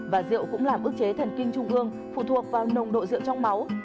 và rượu cũng là ước chế thần kinh trung ương phụ thuộc vào nồng độ rượu trong máu